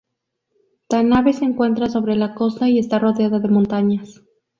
Tanabe se encuentra sobre la costa y está rodeada de montañas.